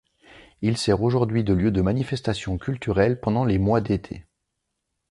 Il sert aujourd'hui de lieu de manifestations culturelles pendant les mois d'été.